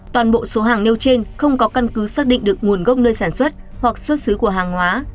toàn bộ số hàng nêu trên không có căn cứ xác định được nguồn gốc nơi sản xuất hoặc xuất xứ của hàng hóa